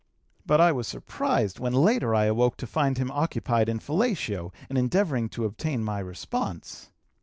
But I was surprised when later I awoke to find him occupied in fellatio and endeavoring to obtain my response.